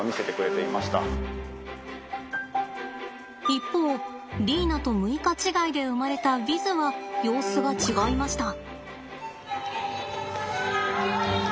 一方リーナと６日違いで生まれたヴィズは様子が違いました。